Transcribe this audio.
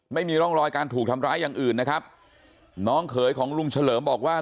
ไม่มีร่องรอยการถูกทำร้ายอย่างอื่นนะครับน้องเขยของลุงเฉลิมบอกว่า